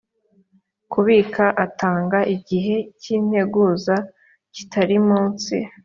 kubika atanga igihe cy integuza kitari munsi